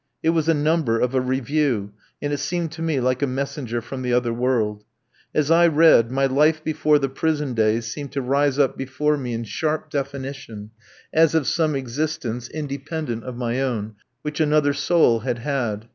It was a number of a review, and it seemed to me like a messenger from the other world. As I read, my life before the prison days seemed to rise up before me in sharp definition, as of some existence independent of my own, which another soul had had.